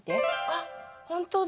あっほんとだ。